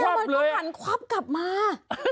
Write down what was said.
เอ้ยโอ้โหควับเลยแมวมันก็หันควับกลับมา